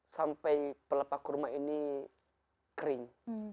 sampai pelapa kurma ini kering